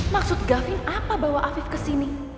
maksud gavin apa bawa afif ke sini